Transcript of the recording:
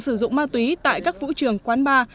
sử dụng ma túy tại các vũ trường quán bar